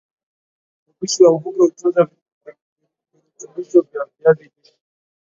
Upishi wa mvuke hutunza virutubisho vya viazi lishe